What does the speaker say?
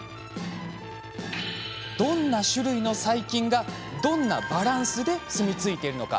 どんな種類の細菌がどんなバランスで住み着いているのか。